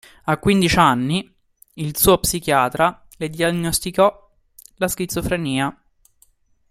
A quindici anni il suo psichiatra le diagnosticò la schizofrenia.